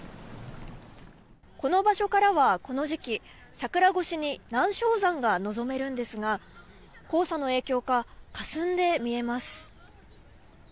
この場所からはこの時期、桜越しに南昌山が望めるんですが黄砂の影響かかすんで見えます。